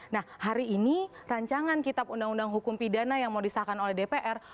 nah hari ini rancangan kitab undang undang hukum pidana yang mau disahkan oleh dpr